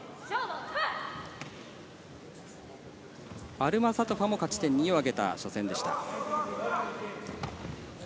アルマサトファも勝ち点２を挙げた初戦でした。